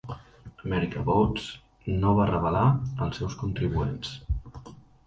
America Votes no va revelar els seus contribuents.